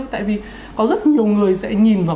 tại vì có rất nhiều người sẽ nhìn vào